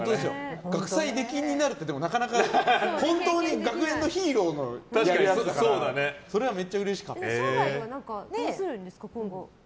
学祭出禁になるってなかなか学園のヒーローのやつだからそれはめっちゃうれしかったです。